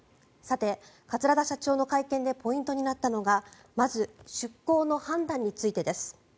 桂田社長の会見でポイントになったのがまず、出航の判断についてです。